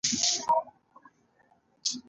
کتاب د نړۍ تر ټولو ارزښتناک شتمنۍ ده.